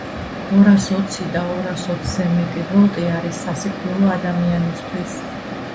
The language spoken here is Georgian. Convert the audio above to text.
ორას ოცი და ორას ოცზე მეტი ვოლტი არის სასიკვდილო ადამიანისთვის.